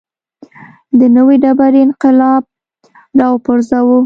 د نوې ډبرې انقلاب راوپنځاوه.